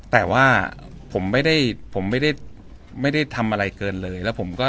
แต่ว่าผมไม่ได้ทำอะไรเกินเลย